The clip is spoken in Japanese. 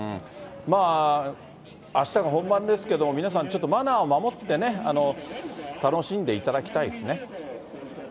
まあ、あしたが本番ですけれども、皆さん、ちょっとマナーを守ってね、楽しんでいただきたいですね。